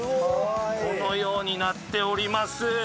このようになっております。